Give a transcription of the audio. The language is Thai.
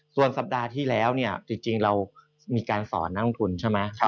ส่วนสัปดาห์ที่แล้วเนี่ยจริงเรามีการสอนนักลงทุนใช่ไหม